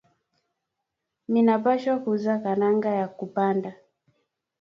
Mina pashwa kuza kalanga ya ku panda